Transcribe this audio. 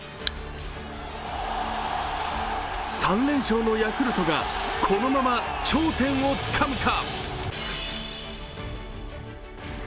３連勝のヤクルトがこのまま頂点をつかむか。